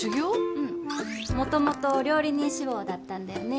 うん元々料理人志望だったんだよね